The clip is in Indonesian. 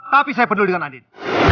tapi saya peduli dengan andin